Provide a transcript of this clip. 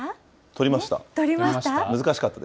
撮りました？